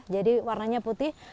jadi warnanya putih